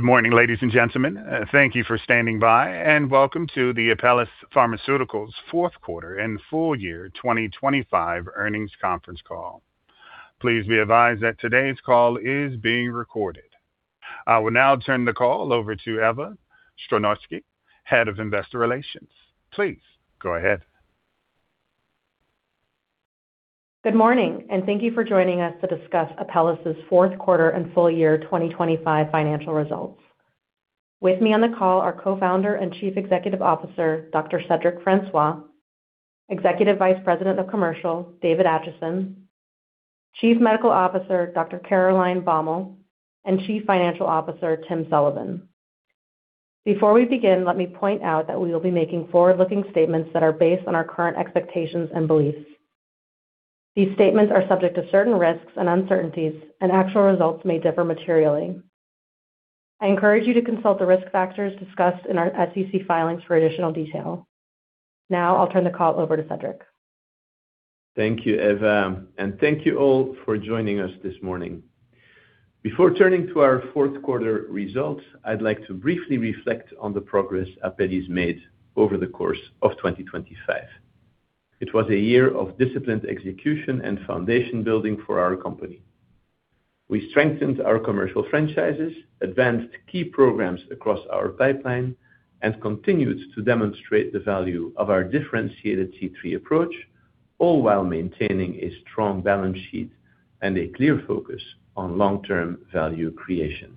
Morning, ladies and gentlemen. Thank you for standing by, and welcome to the Apellis Pharmaceuticals fourth quarter and full year 2025 earnings conference call. Please be advised that today's call is being recorded. I will now turn the call over to Eva Stroynowski, Head of Investor Relations. Please go ahead. Good morning, and thank you for joining us to discuss Apellis's fourth quarter and full year 2025 financial results. With me on the call are Co-founder and Chief Executive Officer, Dr. Cedric Francois, Executive Vice President of Commercial, David Acheson, Chief Medical Officer, Dr. Caroline Baumal, and Chief Financial Officer, Timothy Sullivan. Before we begin, let me point out that we will be making forward-looking statements that are based on our current expectations and beliefs. These statements are subject to certain risks and uncertainties, and actual results may differ materially. I encourage you to consult the risk factors discussed in our SEC filings for additional detail. Now, I'll turn the call over to Cedric. Thank you, Eva. Thank you all for joining us this morning. Before turning to our fourth quarter results, I'd like to briefly reflect on the progress Apellis made over the course of 2025. It was a year of disciplined execution and foundation building for our company. We strengthened our commercial franchises, advanced key programs across our pipeline, and continued to demonstrate the value of our differentiated C3 approach, all while maintaining a strong balance sheet and a clear focus on long-term value creation.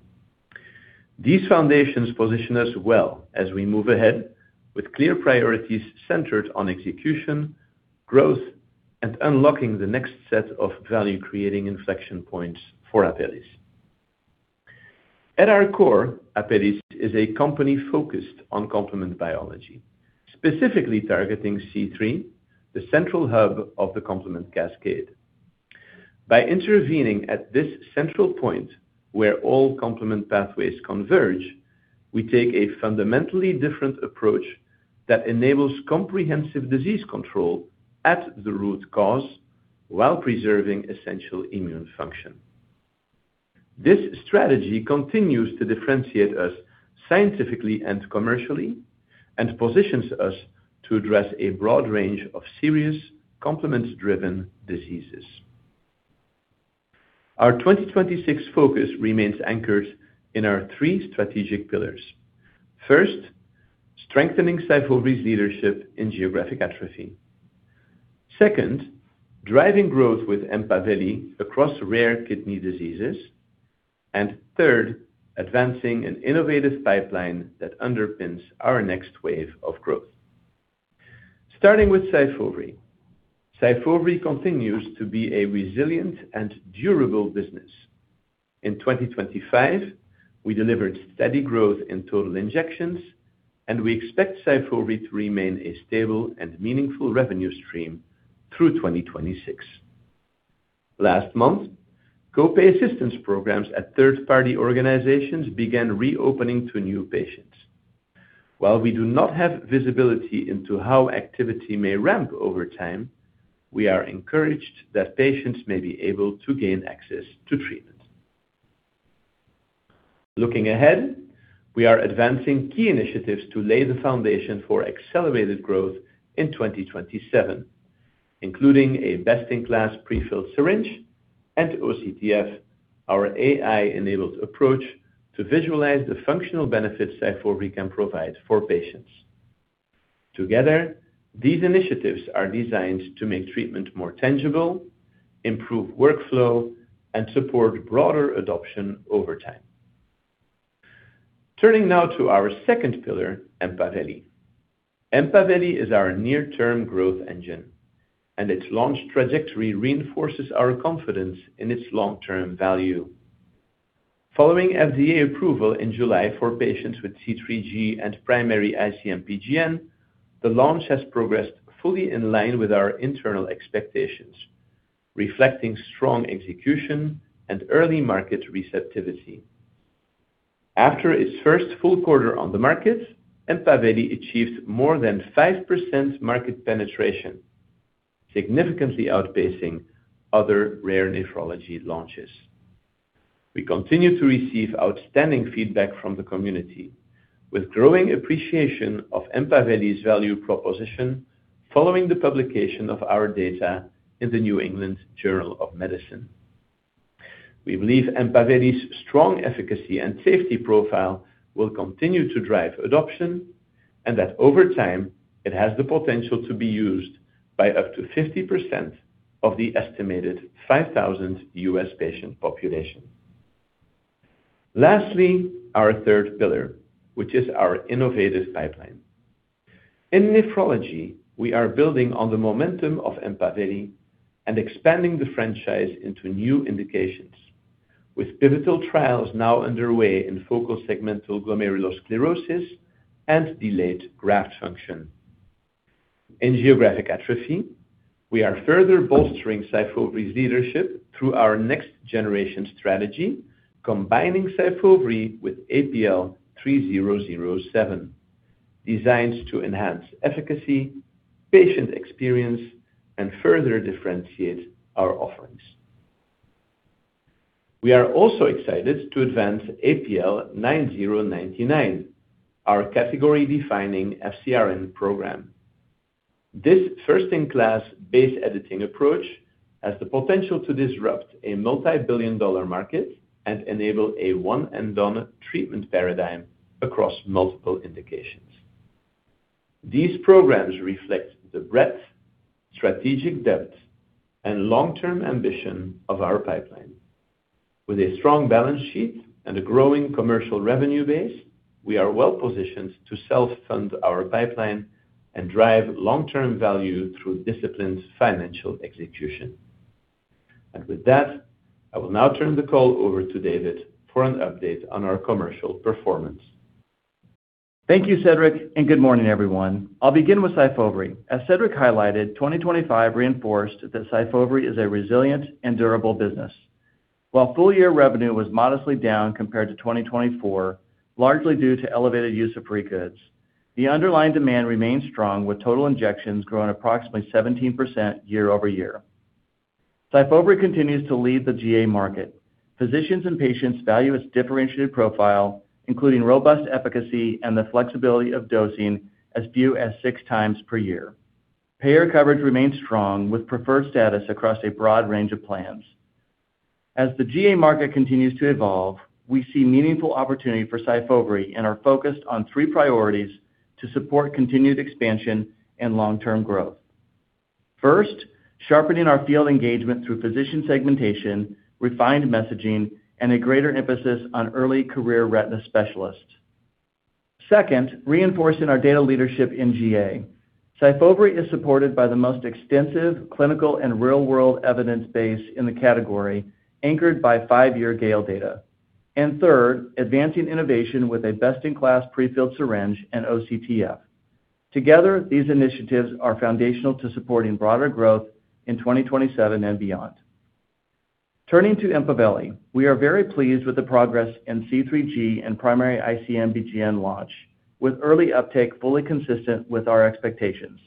These foundations position us well as we move ahead with clear priorities centered on execution, growth, and unlocking the next set of value-creating inflection points for Apellis. At our core, Apellis is a company focused on complement biology, specifically targeting C3, the central hub of the complement cascade. By intervening at this central point, where all complement pathways converge, we take a fundamentally different approach that enables comprehensive disease control at the root cause, while preserving essential immune function. This strategy continues to differentiate us scientifically and commercially, positions us to address a broad range of serious complement-driven diseases. Our 2026 focus remains anchored in our three strategic pillars. First, strengthening Syfovre's leadership in geographic atrophy. Second, driving growth with Empaveli across rare kidney diseases. Third, advancing an innovative pipeline that underpins our next wave of growth. Starting with Syfovre. Syfovre continues to be a resilient and durable business. In 2025, we delivered steady growth in total injections, and we expect Syfovre to remain a stable and meaningful revenue stream through 2026. Last month, co-pay assistance programs at third-party organizations began reopening to new patients. While we do not have visibility into how activity may ramp over time, we are encouraged that patients may be able to gain access to treatment. Looking ahead, we are advancing key initiatives to lay the foundation for accelerated growth in 2027, including a best-in-class prefilled syringe and OCTF, our AI-enabled approach to visualize the functional benefits Syfovre can provide for patients. Together, these initiatives are designed to make treatment more tangible, improve workflow, and support broader adoption over time. Turning now to our second pillar, Empaveli. Empaveli is our near-term growth engine. Its launch trajectory reinforces our confidence in its long-term value. Following FDA approval in July for patients with C3G and primary IC-MPGN, the launch has progressed fully in line with our internal expectations, reflecting strong execution and early market receptivity. After its first full quarter on the market, Empaveli achieved more than 5% market penetration, significantly outpacing other rare nephrology launches. We continue to receive outstanding feedback from the community, with growing appreciation of Empaveli's value proposition following the publication of our data in The New England Journal of Medicine. We believe Empaveli's strong efficacy and safety profile will continue to drive adoption, and that over time, it has the potential to be used by up to 50% of the estimated 5,000 U.S. patient population. Lastly, our third pillar, which is our innovative pipeline. In nephrology, we are building on the momentum of Empaveli and expanding the franchise into new indications, with pivotal trials now underway in focal segmental glomerulosclerosis and delayed graft function. In geographic atrophy, we are further bolstering Syfovre's leadership through our next-generation strategy, combining Syfovre with APL-3007. Designed to enhance efficacy, patient experience, and further differentiate our offerings. We are also excited to advance APL-9099, our category-defining FcRn program. This first-in-class base editing approach has the potential to disrupt a multi-billion dollar market and enable a one-and-done treatment paradigm across multiple indications. These programs reflect the breadth, strategic depth, and long-term ambition of our pipeline. With a strong balance sheet and a growing commercial revenue base, we are well-positioned to self-fund our pipeline and drive long-term value through disciplined financial execution. With that, I will now turn the call over to David for an update on our commercial performance. Thank you, Cedric. Good morning, everyone. I'll begin with Syfovre. As Cedric highlighted, 2025 reinforced that Syfovre is a resilient and durable business. While full-year revenue was modestly down compared to 2024, largely due to elevated use of free goods, the underlying demand remains strong, with total injections growing approximately 17% year-over-year. Syfovre continues to lead the GA market. Physicians and patients value its differentiated profile, including robust efficacy and the flexibility of dosing as few as six times per year. Payer coverage remains strong, with preferred status across a broad range of plans. As the GA market continues to evolve, we see meaningful opportunity for Syfovre and are focused on three priorities to support continued expansion and long-term growth. First, sharpening our field engagement through physician segmentation, refined messaging, and a greater emphasis on early career retina specialists. Second, reinforcing our data leadership in G.A. Syfovre is supported by the most extensive clinical and real-world evidence base in the category, anchored by five year GALE data. Third, advancing innovation with a best-in-class prefilled syringe and OCTF. Together, these initiatives are foundational to supporting broader growth in 2027 and beyond. Turning to Empaveli, we are very pleased with the progress in C3G and primary IC-MPGN launch, with early uptake fully consistent with our expectations.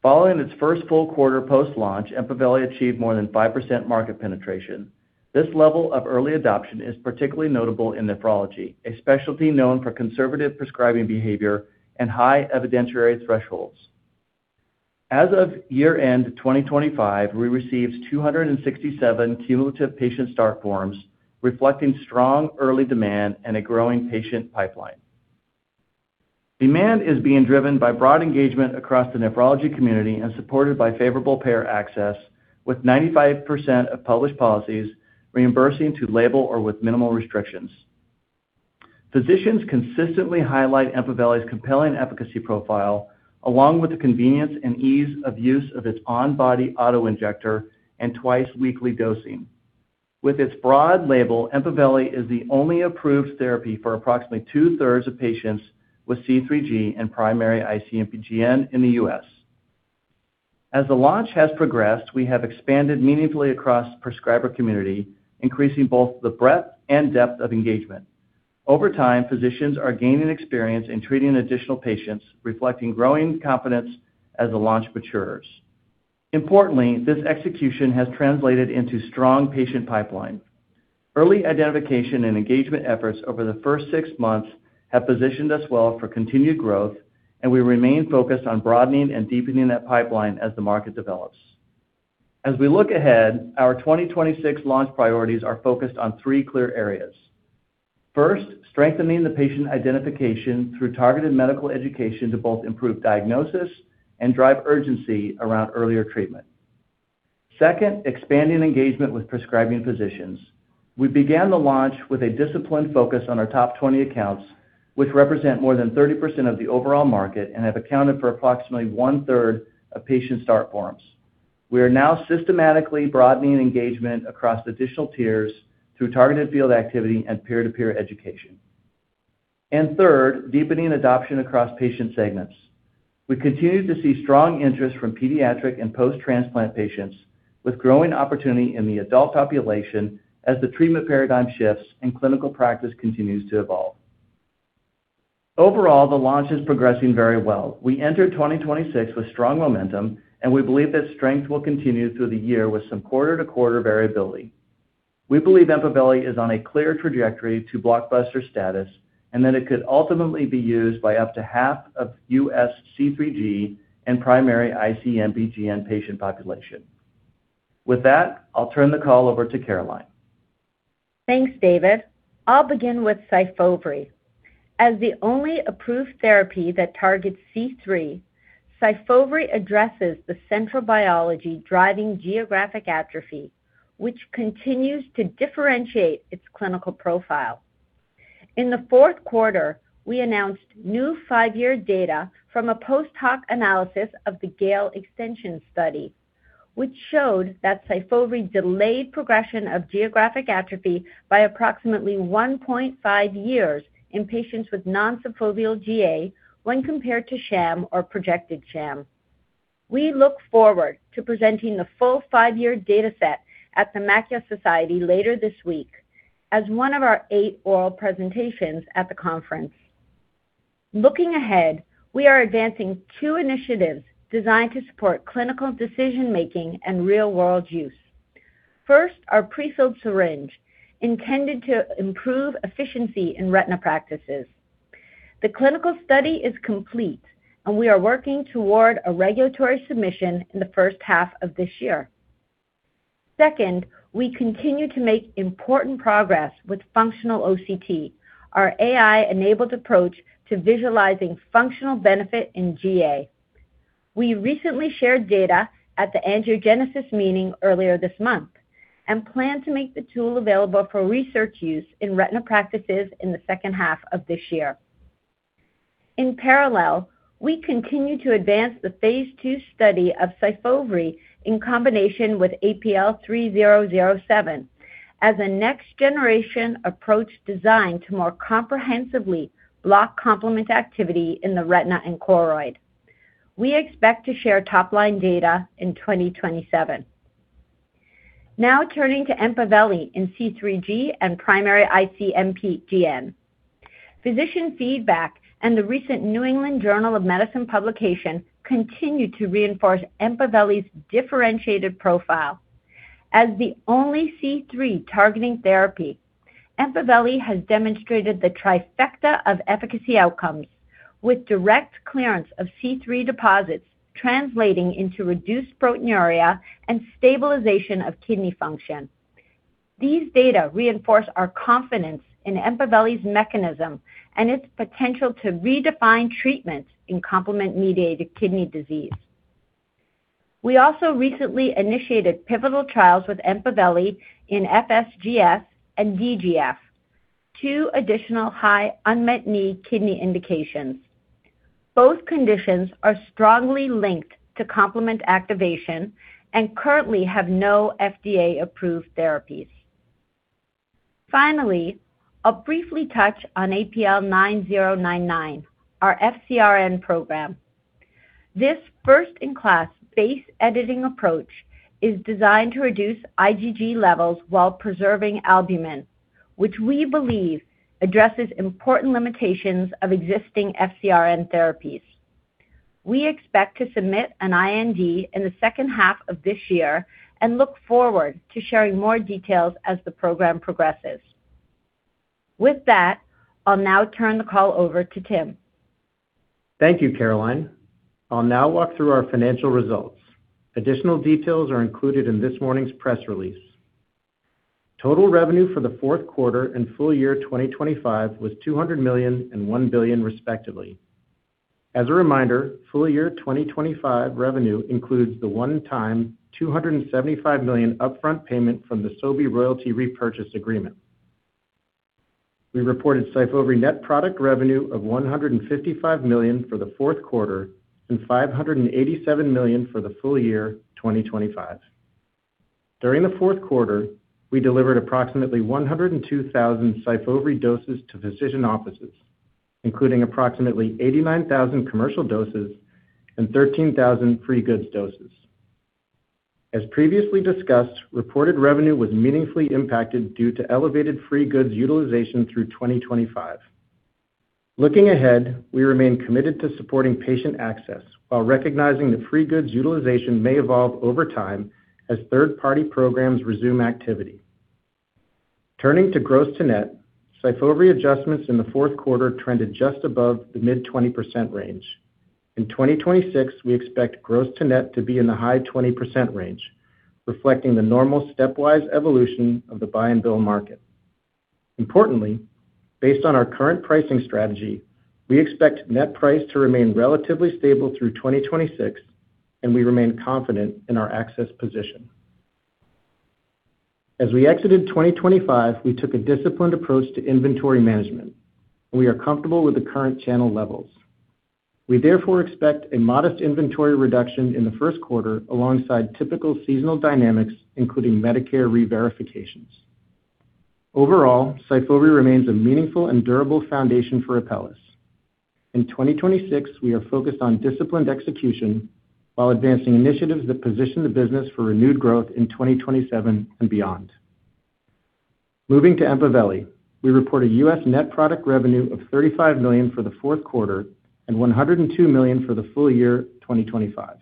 Following its first full quarter post-launch, Empaveli achieved more than 5% market penetration. This level of early adoption is particularly notable in nephrology, a specialty known for conservative prescribing behavior and high evidentiary thresholds. As of year-end 2025, we received 267 cumulative patient start forms, reflecting strong early demand and a growing patient pipeline. Demand is being driven by broad engagement across the nephrology community and supported by favorable payer access, with 95% of published policies reimbursing to label or with minimal restrictions. Physicians consistently highlight Empaveli's compelling efficacy profile, along with the convenience and ease of use of its on-body injector and twice-weekly dosing. With its broad label, Empaveli is the only approved therapy for approximately 2/3 of patients with C3G and primary IC-MPGN in the U.S. As the launch has progressed, we have expanded meaningfully across prescriber community, increasing both the breadth and depth of engagement. Over time, physicians are gaining experience in treating additional patients, reflecting growing confidence as the launch matures. Importantly, this execution has translated into strong patient pipeline. Early identification and engagement efforts over the first six months have positioned us well for continued growth, and we remain focused on broadening and deepening that pipeline as the market develops. As we look ahead, our 2026 launch priorities are focused on three clear areas. First, strengthening the patient identification through targeted medical education to both improve diagnosis and drive urgency around earlier treatment. Second, expanding engagement with prescribing physicians. We began the launch with a disciplined focus on our top 20 accounts, which represent more than 30% of the overall market and have accounted for approximately one-third of patient start forms. We are now systematically broadening engagement across additional tiers through targeted field activity and peer-to-peer education. Third, deepening adoption across patient segments. We continue to see strong interest from pediatric and post-transplant patients, with growing opportunity in the adult population as the treatment paradigm shifts and clinical practice continues to evolve. Overall, the launch is progressing very well. We entered 2026 with strong momentum, and we believe that strength will continue through the year with some quarter-to-quarter variability. We believe Empaveli is on a clear trajectory to blockbuster status and that it could ultimately be used by up to half of U.S. C3G and primary IC-MPGN patient population. With that, I'll turn the call over to Caroline. Thanks, David. I'll begin with Syfovre. As the only approved therapy that targets C3, Syfovre addresses the central biology driving geographic atrophy, which continues to differentiate its clinical profile. In the fourth quarter, we announced new five-year data from a post-hoc analysis of the GALE extension study, which showed that Syfovre delayed progression of geographic atrophy by approximately 1.5 years in patients with non-subfoveal G.A. when compared to sham or projected sham. We look forward to presenting the full five-year data set at The Macula Society later this week as one of our eight oral presentations at the conference. Looking ahead, we are advancing two initiatives designed to support clinical decision-making and real-world use. First, our prefilled syringe, intended to improve efficiency in retina practices. The clinical study is complete, and we are working toward a regulatory submission in the first half of this year. We continue to make important progress with Functional OCT, our AI-enabled approach to visualizing functional benefit in G.A. We recently shared data at the Angiogenesis meeting earlier this month and plan to make the tool available for research use in retina practices in the second half of this year. We continue to advance the phase II study of Syfovre in combination with APL-3007 as a next-generation approach designed to more comprehensively block complement activity in the retina and choroid. We expect to share top-line data in 2027. Now turning to Empaveli in C3G and primary IC-MPGN. Physician feedback and the recent New England Journal of Medicine publication continued to reinforce Empaveli's differentiated profile. As the only C3 targeting therapy, Empaveli has demonstrated the trifecta of efficacy outcomes, with direct clearance of C3 deposits translating into reduced proteinuria and stabilization of kidney function. These data reinforce our confidence in Empaveli's mechanism and its potential to redefine treatment in complement-mediated kidney disease. We also recently initiated pivotal trials with Empaveli in FSGS and DGF, two additional high unmet need kidney indications. Both conditions are strongly linked to complement activation and currently have no FDA-approved therapies. Finally, I'll briefly touch on APL-9099, our FcRn program. This first-in-class base editing approach is designed to reduce IgG levels while preserving albumin, which we believe addresses important limitations of existing FcRn therapies. We expect to submit an IND in the second half of this year and look forward to sharing more details as the program progresses. With that, I'll now turn the call over to Timothy. Thank you, Caroline. I'll now walk through our financial results. Additional details are included in this morning's press release. Total revenue for the fourth quarter and full year 2025 was $200 million and $1 billion, respectively. As a reminder, full year 2025 revenue includes the one-time $275 million upfront payment from the Sobi royalty repurchase agreement. We reported Syfovre net product revenue of $155 million for the fourth quarter and $587 million for the full year 2025. During the fourth quarter, we delivered approximately 102,000 Syfovre doses to physician offices, including approximately 89,000 commercial doses and 13,000 free goods doses. As previously discussed, reported revenue was meaningfully impacted due to elevated free goods utilization through 2025. Looking ahead, we remain committed to supporting patient access while recognizing that free goods utilization may evolve over time as third-party programs resume activity. Turning to gross to net, Syfovre adjustments in the 4th quarter trended just above the mid-20% range. In 2026, we expect gross to net to be in the high 20% range, reflecting the normal stepwise evolution of the buy and bill market. Importantly, based on our current pricing strategy, we expect net price to remain relatively stable through 2026, and we remain confident in our access position. As we exited 2025, we took a disciplined approach to inventory management. We are comfortable with the current channel levels. We therefore expect a modest inventory reduction in the 1st quarter alongside typical seasonal dynamics, including Medicare reverifications. Overall, Syfovre remains a meaningful and durable foundation for Apellis. In 2026, we are focused on disciplined execution while advancing initiatives that position the business for renewed growth in 2027 and beyond. Moving to Empaveli, we report a U.S. net product revenue of $35 million for the fourth quarter and $102 million for the full year 2025.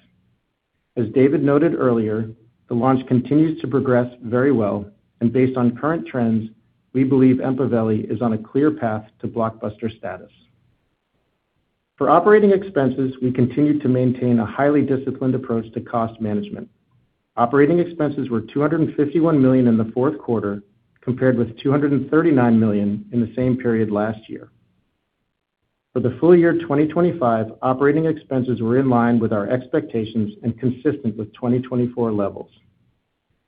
As David noted earlier, the launch continues to progress very well, and based on current trends, we believe Empaveli is on a clear path to blockbuster status. For operating expenses, we continue to maintain a highly disciplined approach to cost management. Operating expenses were $251 million in the fourth quarter, compared with $239 million in the same period last year. For the full year 2025, operating expenses were in line with our expectations and consistent with 2024 levels.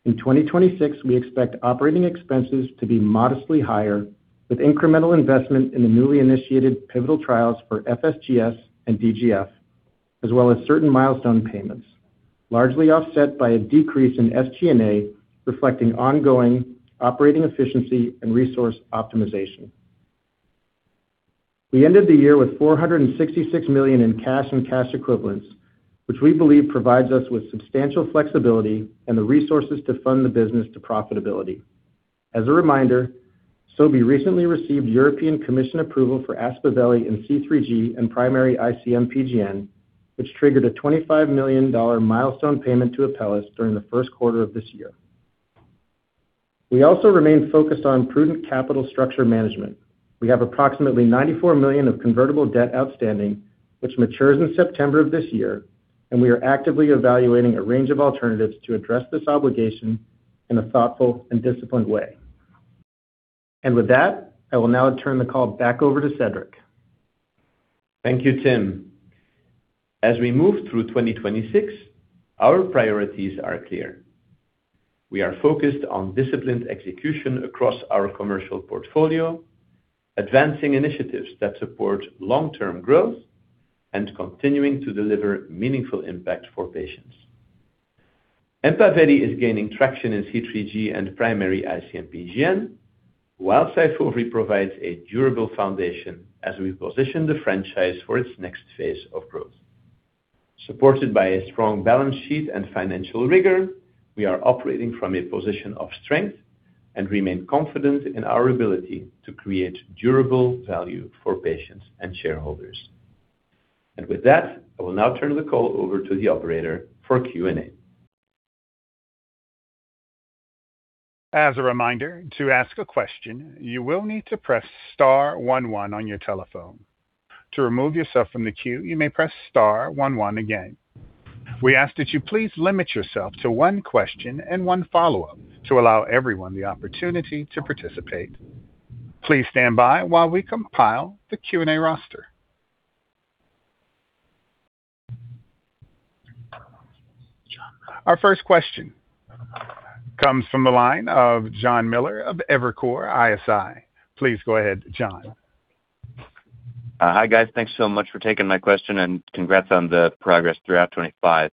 In 2026, we expect operating expenses to be modestly higher, with incremental investment in the newly initiated pivotal trials for FSGS and DGF, as well as certain milestone payments, largely offset by a decrease in SG&A, reflecting ongoing operating efficiency and resource optimization. We ended the year with $466 million in cash and cash equivalents, which we believe provides us with substantial flexibility and the resources to fund the business to profitability. As a reminder, Sobi recently received European Commission approval for Aspaveli in C3G and primary IC-MPGN, which triggered a $25 million milestone payment to Apellis during the first quarter of this year. We also remain focused on prudent capital structure management. We have approximately $94 million of convertible debt outstanding, which matures in September of this year. We are actively evaluating a range of alternatives to address this obligation in a thoughtful and disciplined way. With that, I will now turn the call back over to Cedric. Thank you, Timothy. As we move through 2026, our priorities are clear. We are focused on disciplined execution across our commercial portfolio, advancing initiatives that support long-term growth, and continuing to deliver meaningful impact for patients. Empaveli is gaining traction in C3G and primary IC-MPGN, while Syfovre provides a durable foundation as we position the franchise for its next phase of growth. Supported by a strong balance sheet and financial rigor, we are operating from a position of strength and remain confident in our ability to create durable value for patients and shareholders. With that, I will now turn the call over to the operator for Q and A. As a reminder, to ask a question, you will need to press star one on your telephone. To remove yourself from the queue, you may press star one again. We ask that you please limit yourself to one question and one follow-up to allow everyone the opportunity to participate. Please stand by while we compile the Q and A roster. Our first question comes from the line of Jonathan Miller of Evercore ISI. Please go ahead, Jonathan. Hi, guys. Thanks so much for taking my question and congrats on the progress throughout 2025.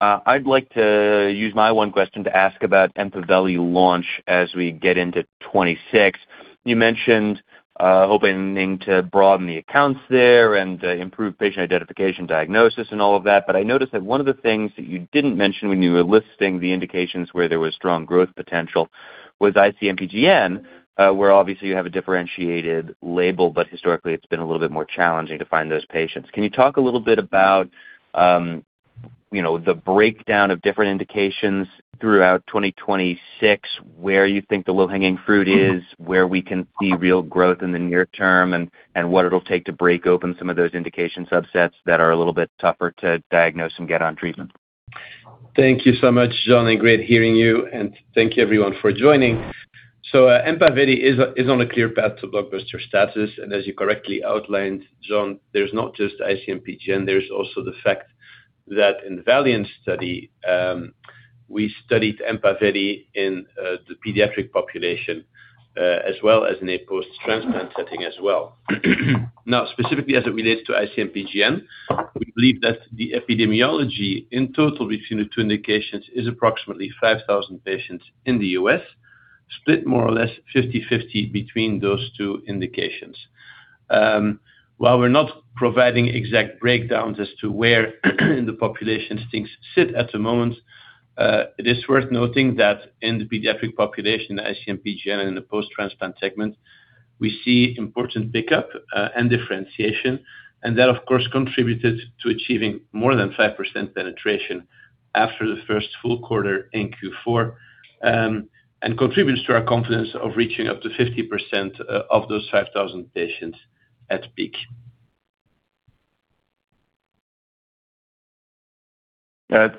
I'd like to use my one question to ask about Empaveli launch as we get into 2026. You mentioned hoping to broaden the accounts there and improve patient identification, diagnosis and all of that. I noticed that one of the things that you didn't mention when you were listing the indications where there was strong growth potential was IC-MPGN, where obviously you have a differentiated label, but historically it's been a little bit more challenging to find those patients. Can you talk a little bit about, you know, the breakdown of different indications throughout 2026, where you think the low-hanging fruit is, where we can see real growth in the near term, and what it'll take to break open some of those indication subsets that are a little bit tougher to diagnose and get on treatment? Thank you so much, Jonathan, and great hearing you, and thank you everyone for joining. Empaveli is on a clear path to blockbuster status, and as you correctly outlined, Jonathan, there's not just IC-MPGN, there's also the fact that in the VALIANT study, we studied Empaveli in the pediatric population, as well as in a post-transplant setting as well. Specifically as it relates to IC-MPGN, we believe that the epidemiology in total between the two indications is approximately 5,000 patients in the U.S., split more or less 50/50 between those two indications. While we're not providing exact breakdowns as to where the populations things sit at the moment, it is worth noting that in the pediatric population, the IC-MPGN and the post-transplant segment, we see important pickup and differentiation, and that, of course, contributed to achieving more than 5% penetration after the first full quarter in Q4. Contributes to our confidence of reaching up to 50% of those 5,000 patients at peak.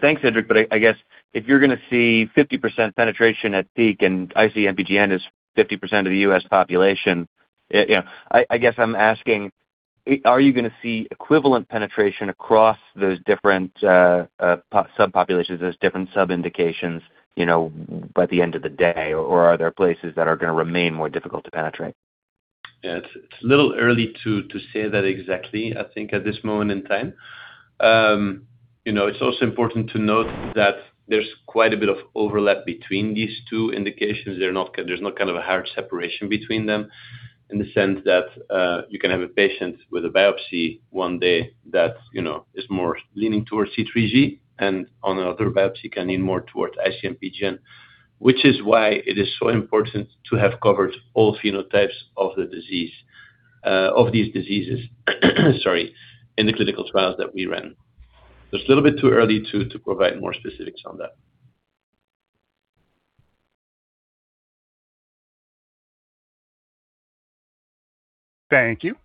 Thanks, Cedric. I guess if you're going to see 50% penetration at peak and IC-MPGN is 50% of the U.S. population, you know, I guess I'm asking, are you going to see equivalent penetration across those different subpopulations, those different sub-indications, you know, by the end of the day? Are there places that are going to remain more difficult to penetrate? Yeah. It's, it's a little early to say that exactly, I think, at this moment in time. You know, it's also important to note that there's quite a bit of overlap between these two indications. There's no kind of a hard separation between them in the sense that, you can have a patient with a biopsy one day that, you know, is more leaning towards C3G, and on another biopsy, can lean more towards IC-MPGN, which is why it is so important to have covered all phenotypes of the disease, of these diseases, sorry, in the clinical trials that we ran. It's a little bit too early to provide more specifics on that. Thank you.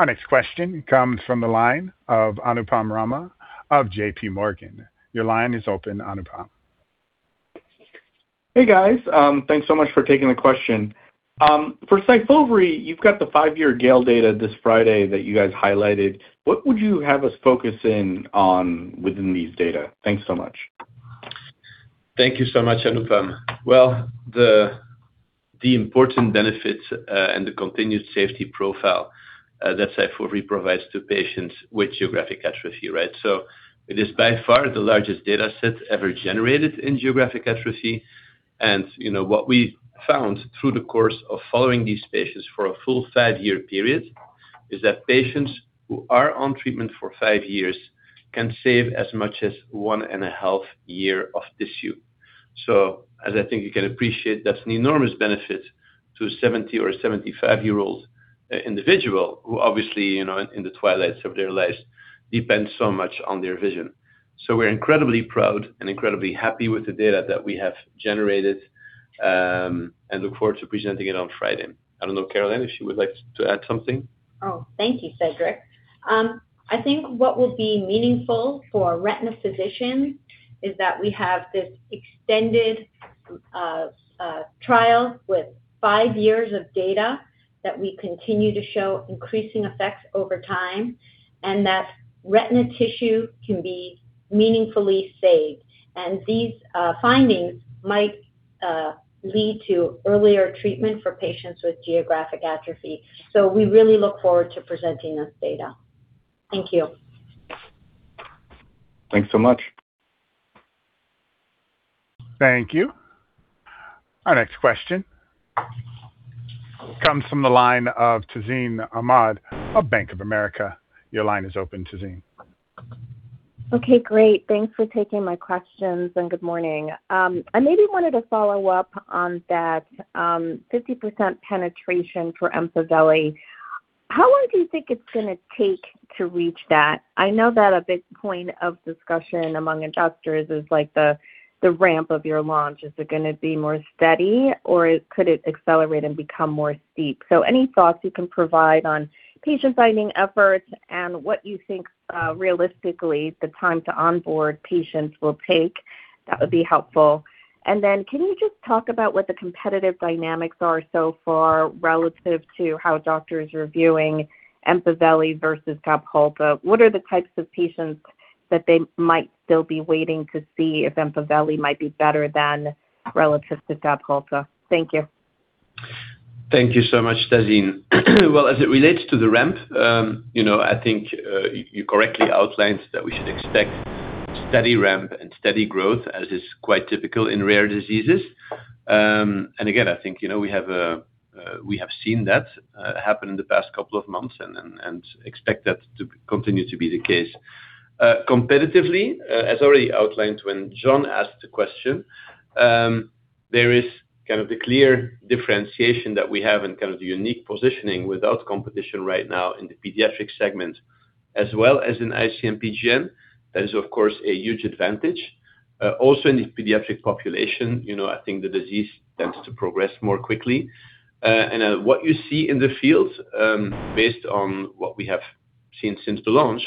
Our next question comes from the line of Anupam Rama of JPMorgan. Your line is open, Anupam. Hey, guys. Thanks so much for taking the question. For Syfovre, you've got the five year GALE data this Friday that you guys highlighted. What would you have us focus in on within these data? Thanks so much. Thank you so much, Anupam. Well, the important benefits and the continued safety profile that Syfovre provides to patients with geographic atrophy, right? It is by far the largest data set ever generated in geographic atrophy. You know, what we found through the course of following these patients for a full five year period, is that patients who are on treatment for five years can save as much as one and a half year of tissue. As I think you can appreciate, that's an enormous benefit to 70 or 75-year-old individual who obviously, you know, in the twilights of their lives, depends so much on their vision. We're incredibly proud and incredibly happy with the data that we have generated and look forward to presenting it on Friday. I don't know Caroline, if she would like to add something? Thank you, Cedric. I think what will be meaningful for a retina physician is that we have this extended trial with five years of data that we continue to show increasing effects over time, and that retina tissue can be meaningfully saved. These findings might lead to earlier treatment for patients with geographic atrophy. We really look forward to presenting this data. Thank you. Thanks so much. Thank you. Our next question comes from the line of Tazeen Ahmad of Bank of America. Your line is open, Tazeen. Okay, great. Thanks for taking my questions, good morning. I maybe wanted to follow up on that 50% penetration for Empaveli. How long do you think it's gonna take to reach that? I know that a big point of discussion among investors is like the ramp of your launch. Is it gonna be more steady or could it accelerate and become more steep? Any thoughts you can provide on patient-finding efforts and what you think, realistically, the time to onboard patients will take? That would be helpful. Can you just talk about what the competitive dynamics are so far, relative to how doctors are viewing Empaveli versus Fabhalta? What are the types of patients that they might still be waiting to see if Empaveli might be better than relative to Fabhalta? Thank you. Thank you so much, Tazeen. Well, as it relates to the ramp, you know, I think, you correctly outlined that we should expect steady ramp and steady growth, as is quite typical in rare diseases. Again, I think, you know, we have, we have seen that happen in the past couple of months and expect that to continue to be the case. Competitively, as already outlined when Jonathan Miller asked the question, there is kind of the clear differentiation that we have and kind of the unique positioning without competition right now in the pediatric segment, as well as in IC-MPGN. That is, of course, a huge advantage. Also in the pediatric population, you know, I think the disease tends to progress more quickly. What you see in the field, based on what we have seen since the launch,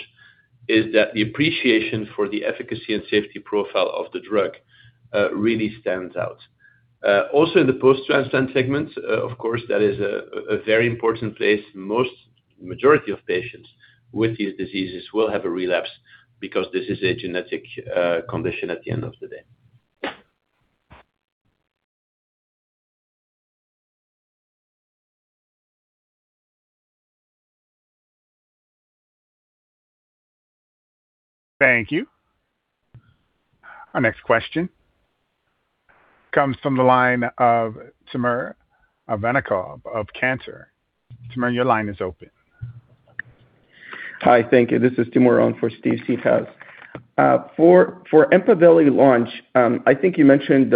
is that the appreciation for the efficacy and safety profile of the drug, really stands out. Also in the post-transplant segment, of course, that is a very important place. Most majority of patients with these diseases will have a relapse because this is a genetic, condition at the end of the day. Thank you. Our next question comes from the line of Timur Ivannikov of Cantor. Timur, your line is open. Hi, thank you. This is Timur on for Steve Seethaler. For Empaveli launch, I think you mentioned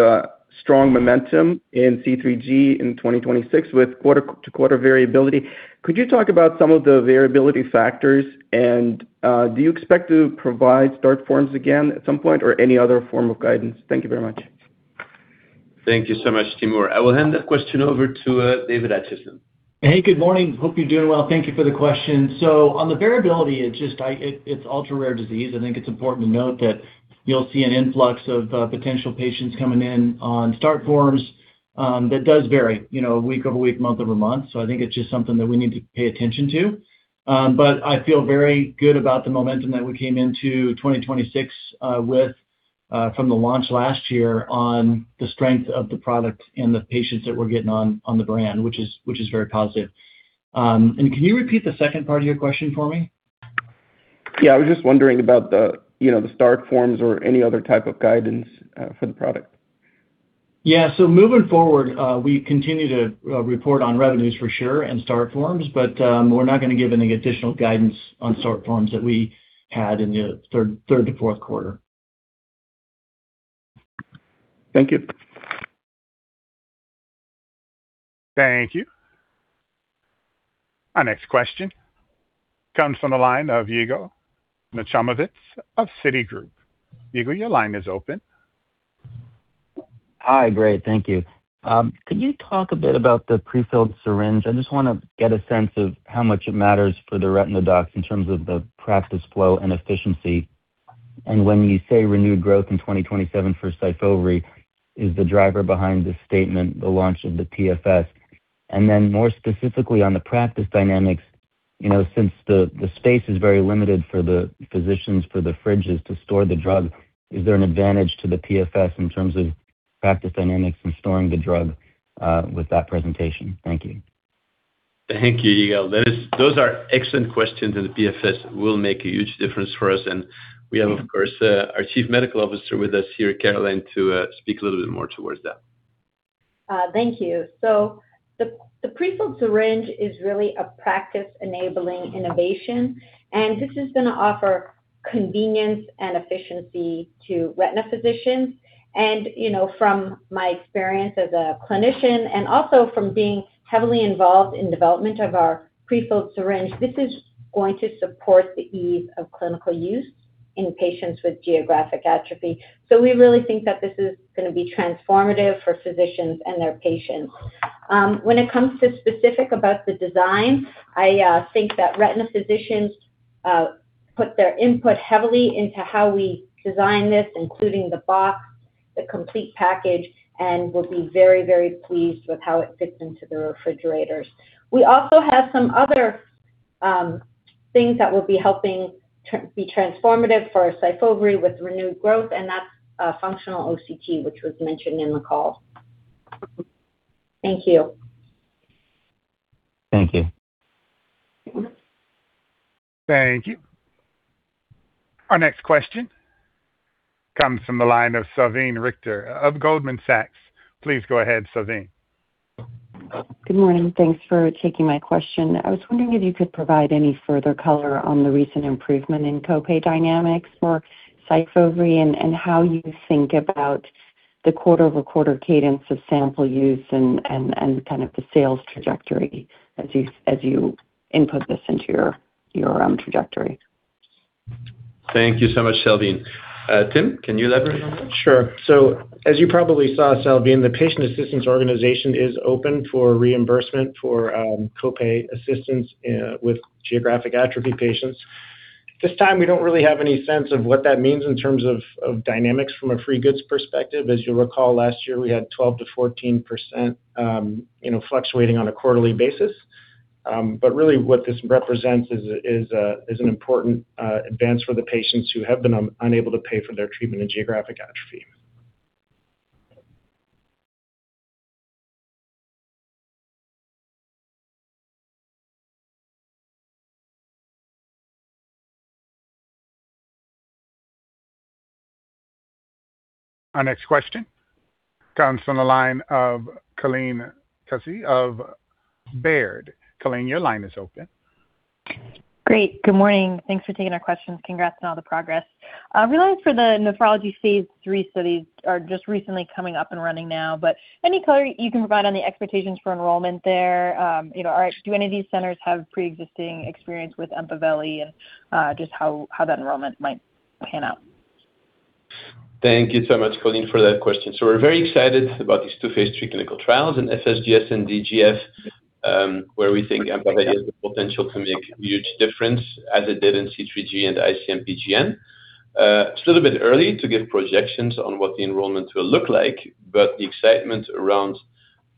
strong momentum in C3G in 2026 with quarter-over-quarter variability. Could you talk about some of the variability factors and do you expect to provide start forms again at some point or any other form of guidance? Thank you very much. Thank you so much, Timur. I will hand that question over to David Acheson. Hey, good morning. Hope you're doing well. Thank you for the question. On the variability, it's just it's ultra-rare disease. I think it's important to note that you'll see an influx of potential patients coming in on start forms. That does vary, you know, week-over-week, month-over-month. I think it's just something that we need to pay attention to. But I feel very good about the momentum that we came into 2026 with from the launch last year on the strength of the product and the patients that we're getting on the brand, which is very positive. Can you repeat the second part of your question for me? Yeah, I was just wondering about the, you know, the start forms or any other type of guidance for the product. Yeah. Moving forward, we continue to report on revenues for sure and start forms, but we're not gonna give any additional guidance on start forms that we had in the third to fourth quarter. Thank you. Thank you. Our next question comes from the line of Yigal Nochomovitz of Citigroup. Hugo, your line is open. Hi. Great, thank you. Could you talk a bit about the prefilled syringe? I just want to get a sense of how much it matters for the retina docs in terms of the practice flow and efficiency. When you say renewed growth in 2027 for Syfovre, is the driver behind this statement, the launch of the TFS? More specifically on the practice dynamics, you know, since the space is very limited for the physicians, for the fridges to store the drug, is there an advantage to the TFS in terms of practice dynamics and storing the drug with that presentation? Thank you. Thank you, Yigal. Those are excellent questions, and the PFS will make a huge difference for us. We have, of course, our Chief Medical Officer with us here, Caroline, to speak a little bit more towards that. Thank you. The prefilled syringe is really a practice-enabling innovation, and this is going to offer convenience and efficiency to retina physicians. You know, from my experience as a clinician and also from being heavily involved in development of our prefilled syringe, this is going to support the ease of clinical use in patients with geographic atrophy. We really think that this is going to be transformative for physicians and their patients. When it comes to specific about the design, I think that retina physicians put their input heavily into how we design this, including the box, the complete package, and will be very, very pleased with how it fits into the refrigerators. We also have some other things that will be helping to be transformative for Syfovre with renewed growth. That's a functional OCT, which was mentioned in the call. Thank you. Thank you. Thank you. Our next question comes from the line of Salveen Richter of Goldman Sachs. Please go ahead, Salveen. Good morning. Thanks for taking my question. I was wondering if you could provide any further color on the recent improvement in co-pay dynamics for Syfovre and how you think about the quarter-over-quarter cadence of sample use and kind of the sales trajectory as you input this into your trajectory. Thank you so much, Salveen. Timothy, can you elaborate on that? Sure. As you probably saw, Salveen Richter, the patient assistance organization is open for reimbursement for co-pay assistance with geographic atrophy patients. At this time, we don't really have any sense of what that means in terms of dynamics from a free goods perspective. As you'll recall, last year we had 12%-14%, you know, fluctuating on a quarterly basis. Really what this represents is an important advance for the patients who have been unable to pay for their treatment in geographic atrophy. Our next question comes from the line of Colleen Kusy of Baird. Colleen, your line is open. Great. Good morning. Thanks for taking our questions. Congrats on all the progress. We realized for the nephrology phase three studies are just recently coming up and running now, any color you can provide on the expectations for enrollment there? you know, do any of these centers have pre-existing experience with Empaveli, and, just how that enrollment might pan out? Thank you so much, Colleen, for that question. We're very excited about these two phase III clinical trials in FSGS and DGF, where we think Empaveli has the potential to make a huge difference, as it did in C3G and IC-MPGN. It's a little bit early to give projections on what the enrollment will look like, but the excitement around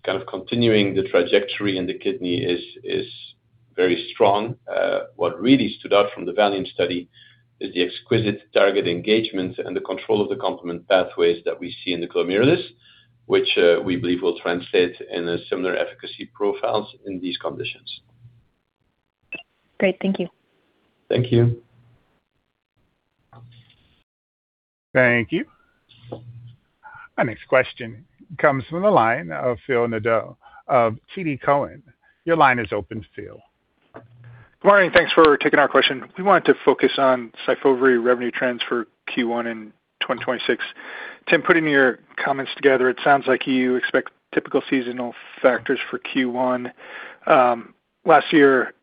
kind of continuing the trajectory in the kidney is very strong. What really stood out from the VALIANT study is the exquisite target engagement and the control of the complement pathways that we see in the glomerulus, which we believe will translate in a similar efficacy profiles in these conditions. Great. Thank you. Thank you. Thank you. Our next question comes from the line of Philip Nadeau of TD Cowen. Your line is open, Philip. Good morning. Thanks for taking our question. We wanted to focus on Syfovre revenue trends for Q1 in 2026. Timothy, putting your comments together, it sounds like you expect typical seasonal factors for Q1. Last year,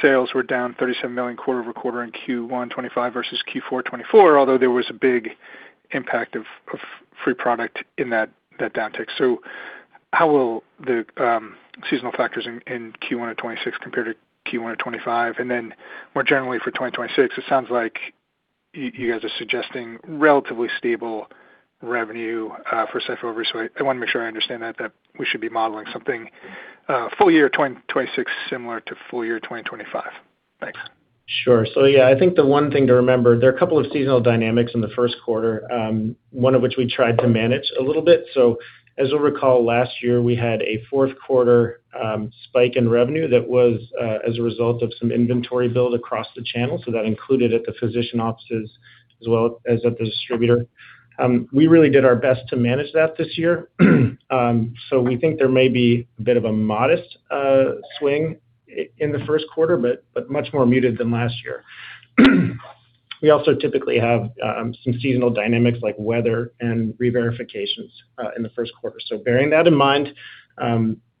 sales were down $37 million quarter-over-quarter in Q1 2025 versus Q4 2024, although there was a big impact of free product in that downtick. How will the seasonal factors in Q1 of 2026 compare to Q1 of 2025? More generally for 2026, it sounds like you guys are suggesting relatively stable revenue for Syfovre. I want to make sure I understand that we should be modeling something full year 2026, similar to full year 2025. Thanks. Sure. Yeah, I think the one thing to remember, there are a couple of seasonal dynamics in the first quarter, one of which we tried to manage a little bit. As you'll recall, last year we had a fourth quarter, spike in revenue that was as a result of some inventory build across the channel. That included at the physician offices as well as at the distributor. We really did our best to manage that this year. We think there may be a bit of a modest swing in the first quarter, but much more muted than last year. We also typically have some seasonal dynamics like weather and reverifications in the first quarter. Bearing that in mind,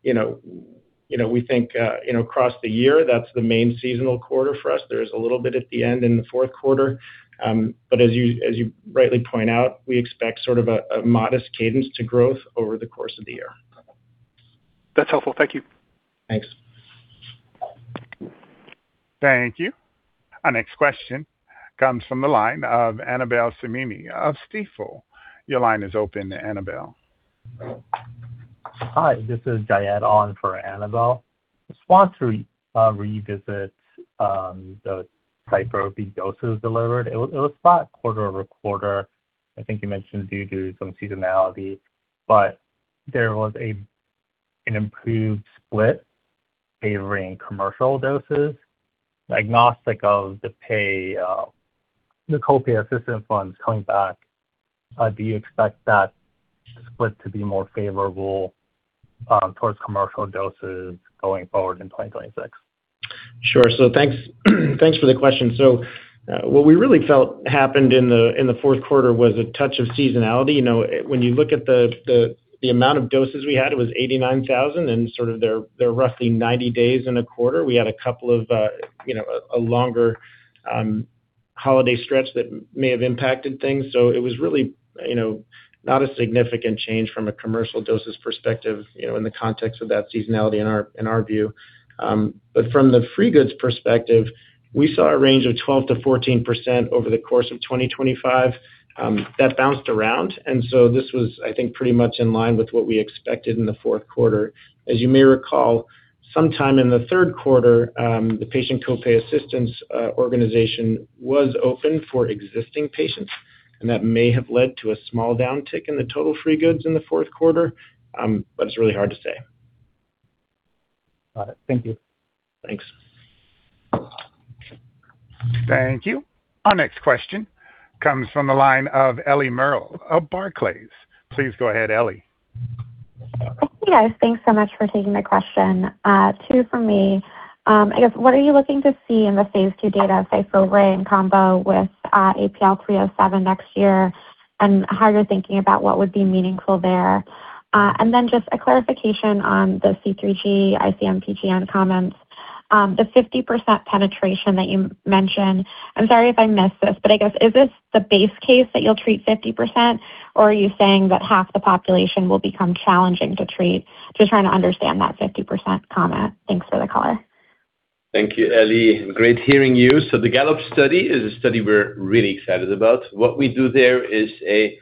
you know, we think, you know, across the year, that's the main seasonal quarter for us. There's a little bit at the end in the fourth quarter. As you rightly point out, we expect sort of a modest cadence to growth over the course of the year. That's helpful. Thank you. Thanks. Thank you. Our next question comes from the line of Annabel Samimy of Stifel. Your line is open, Annabel. Hi, this is Jayad Momin on for Annabel Samimy. I just want to revisit the Syfovre doses delivered. It was flat quarter-over-quarter. I think you mentioned due to some seasonality, but there was an improved split favoring commercial doses, agnostic of the pay, the copay assistance funds coming back. Do you expect that split to be more favorable towards commercial doses going forward in 2026? Sure. Thanks, thanks for the question. What we really felt happened in the fourth quarter was a touch of seasonality. You know, when you look at the amount of doses we had, it was 89,000, and sort of there are roughly 90 days in a quarter. We had a couple of, you know, a longer holiday stretch that may have impacted things. It was really, you know, not a significant change from a commercial doses perspective, you know, in the context of that seasonality in our view. But from the free goods perspective, we saw a range of 12%-14% over the course of 2025 that bounced around, this was, I think, pretty much in line with what we expected in the fourth quarter. As you may recall, sometime in the 3rd quarter, the patient copay assistance organization was open for existing patients. That may have led to a small downtick in the total free goods in the 4th quarter, but it's really hard to say. Got it. Thank you. Thanks. Thank you. Our next question comes from the line of Ellie Merrill of Barclays. Please go ahead, Ellie. Hey, guys. Thanks so much for taking my question. Two from me. I guess, what are you looking to see in the phase two data Syfovre in combo with APL-3007 next year, and how you're thinking about what would be meaningful there? Just a clarification on the C3G, IC-MPGN comments. The 50% penetration that you mentioned, I'm sorry if I missed this, but I guess, is this the base case that you'll treat 50%, or are you saying that half the population will become challenging to treat? Just trying to understand that 50% comment. Thanks for the call. Thank you, Ellie. Great hearing you. The GALE study is a study we're really excited about. What we do there is a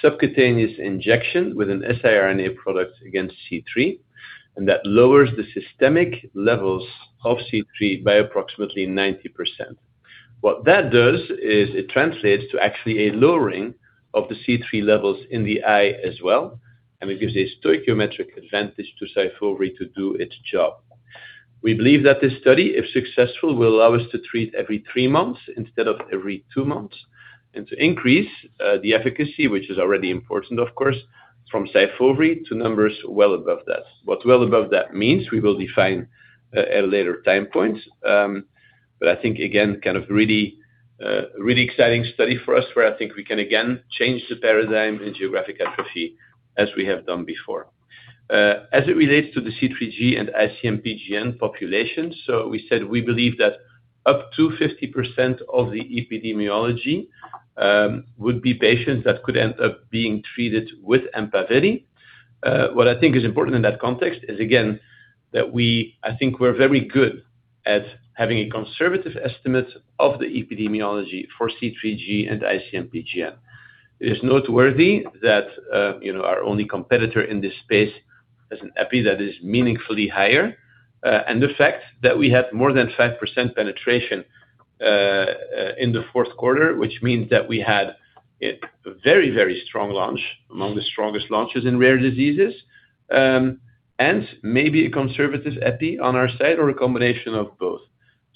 subcutaneous injection with an siRNA product against C3, that lowers the systemic levels of C3 by approximately 90%. What that does is it translates to actually a lowering of the C3 levels in the eye as well, it gives a stoichiometric advantage to Syfovre to do its job. We believe that this study, if successful, will allow us to treat every three months instead of every two months, to increase the efficacy, which is already important, of course, from Syfovre to numbers well above that. What well above that means, we will define at a later time point. I think again, kind of really exciting study for us, where I think we can again change the paradigm in geographic atrophy as we have done before. As it relates to the C3G and IC-MPGN population, we said we believe that up to 50% of the epidemiology, would be patients that could end up being treated with Empaveli. What I think is important in that context is, again, I think we're very good at having a conservative estimate of the epidemiology for C3G and IC-MPGN. It is noteworthy that, you know, our only competitor in this space has an epi that is meaningfully higher, and the fact that we had more than 5% penetration in the fourth quarter, which means that we had a very, very strong launch, among the strongest launches in rare diseases, and maybe a conservative epi on our side or a combination of both.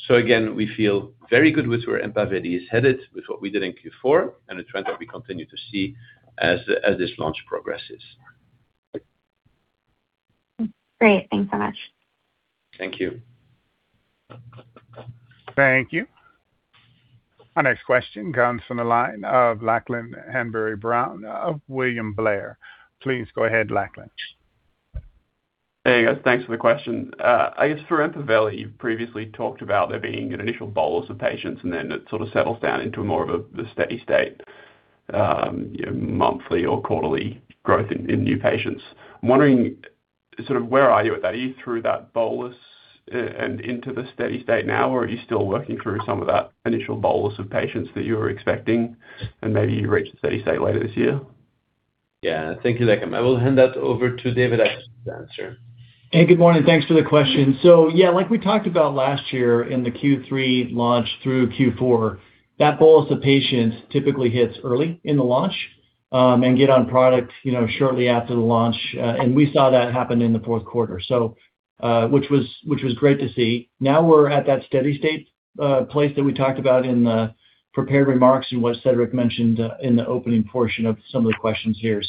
Again, we feel very good with where Empaveli is headed, with what we did in Q4 and the trend that we continue to see as this launch progresses. Great. Thanks so much. Thank you. Thank you. Our next question comes from the line of Lachlan Hanbury-Brown of William Blair. Please go ahead, Lachlan. Hey, guys. Thanks for the question. I guess for Empaveli, you've previously talked about there being an initial bolus of patients, and then it sort of settles down into more of a steady state, monthly or quarterly growth in new patients. I'm wondering, sort of, where are you at that? Are you through that bolus and into the steady state now, or are you still working through some of that initial bolus of patients that you were expecting, and maybe you reach the steady state later this year? Yeah. Thank you, Lachlan. I will hand that over to David to answer. Hey, good morning. Thanks for the question. Yeah, like we talked about last year in the Q3 launch through Q4, that bolus of patients typically hits early in the launch, and get on product, you know, shortly after the launch, and we saw that happen in the fourth quarter, so, which was great to see. Now we're at that steady state, place that we talked about in the prepared remarks and what Cedric mentioned, in the opening portion of some of the questions here.